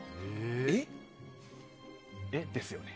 えっ？ですよね。